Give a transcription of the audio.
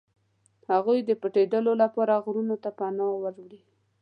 هغوی د پټېدلو لپاره غرونو ته پناه وړي.